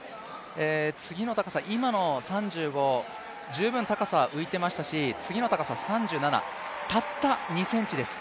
次の高さ、今の３５、十分高さ、浮いていましたし次の高さ、３７、たった２ｃｍです。